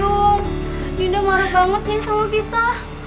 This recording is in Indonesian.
duh duh dinda marah banget nih sama kita